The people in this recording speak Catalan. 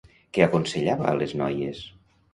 Què aconsellava a les noies?